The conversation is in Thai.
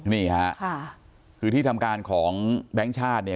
นี่ค่ะคือที่ทำการของแบงค์ชาติเนี่ย